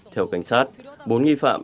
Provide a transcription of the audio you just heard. theo cảnh sát bốn nghi phạm